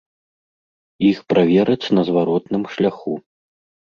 Іх правераць на зваротным шляху.